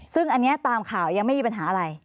ซึ่งอันนี้ตามข่าวยังไม่มีปัญหาอะไร